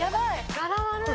ガラ悪い。